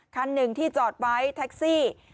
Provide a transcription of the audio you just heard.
คันหนึ่งที่จอดไว้แท็กซี่